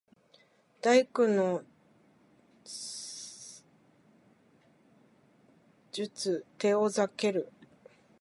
第九の術テオザケル